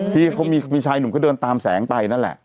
ที่เขามีชายหนุ่มเขาเดินตามแสงไปนั่นแหละ